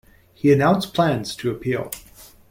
He announced plans to appeal.